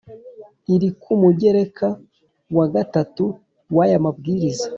iri ku mugereka wa gatatu w aya mabwiriza